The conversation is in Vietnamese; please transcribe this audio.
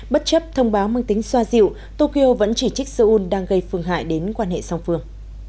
bất chấp thông báo mang tính xoa dịu tokyo vẫn chỉ trích seoul đang gây phương hại đến quan hệ song phương